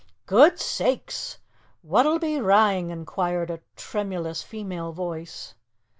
"Guid sakes! what'll be wrang?" inquired a tremulous female voice.